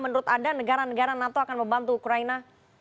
menurut anda negara negara nato akan membantu ukraina